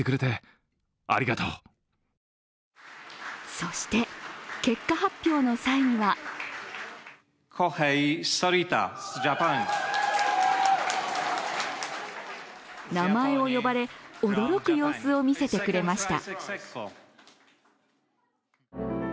そして結果発表の際には名前を呼ばれ、驚く様子を見せてくれました。